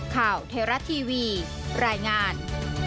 ข่าวเทราะทีวีรายงาน